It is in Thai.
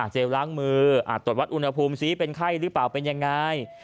ล้างมือตรวจวัดอุณหภูมิซิเป็นไข้หรือเปล่าเป็นยังไง